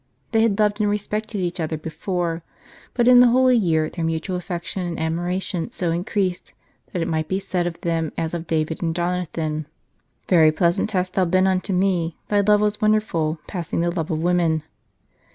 They had loved and respected each other before, but in the Holy Year their mutual affection and admira tion so increased, that it might be said of them as of David and Jonathan :" Very pleasant hast thou been unto me : thy love was wonderful, passing the love of women."